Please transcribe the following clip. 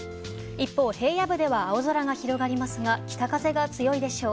一方、平野部では青空が広がりますが北風が強いでしょう。